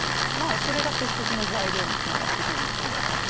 それが説得の材料につながってくるんだと思いますけどね。